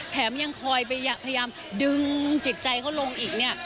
แถมยังคอยพยายามดึงจิตใจเขาลงอีกเนี่ย